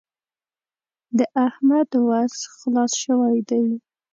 د احمد وس خلاص شوی دی.